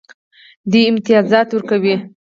دوی امتیازات ورکوي.